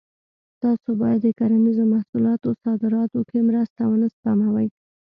تاسو باید د کرنیزو محصولاتو صادراتو کې مرسته ونه سپموئ.